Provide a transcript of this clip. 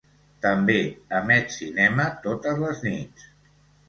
També emet cinema totes les nits.